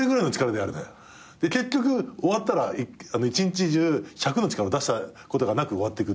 で結局終わったら１日中１００の力出したことがなく終わる。